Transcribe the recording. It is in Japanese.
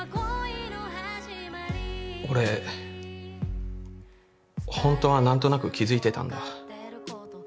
俺ホントは何となく気づいてたんだ